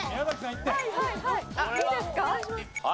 いいですか？